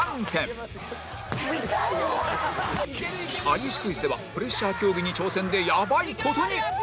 『有吉クイズ』ではプレッシャー競技に挑戦でやばい事に！